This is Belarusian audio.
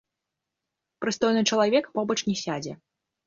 Прыстойны чалавек побач не сядзе.